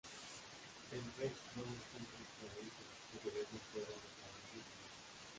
El Rey Robert Henry Clarence y su Gobierno fueron declarados rebeldes.